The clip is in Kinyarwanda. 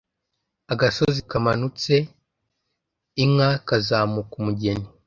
Agasozi kamanutse inka kazamuka umugeni.